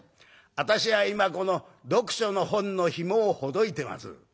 私は今この読書の本のひもをほどいてます」。